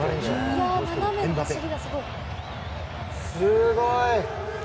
すごい！